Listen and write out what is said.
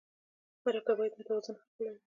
مرکه باید متوازن حق ولري.